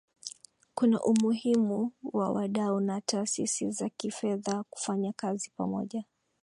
kuna umuhimu wa wadau wa taasisi za kifedha kufanya kazi pamoja